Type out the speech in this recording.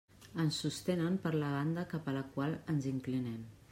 Ens sostenen per la banda cap a la qual ens inclinem.